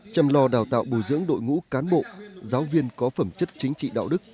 chăm lo đào tạo bồi dưỡng đội ngũ cán bộ giáo viên có phẩm chất chính trị đạo đức